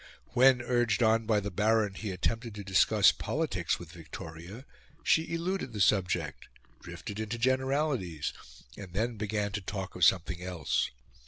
When, urged on by the Baron, he attempted to discuss politics with Victoria, she eluded the subject, drifted into generalities, and then began to talk of something else.